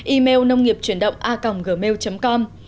email nông nghiệp truyền động a gmail com